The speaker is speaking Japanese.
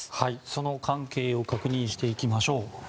その関係を確認していきましょう。